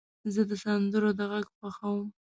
زه د سندرو د غږ خوښوم.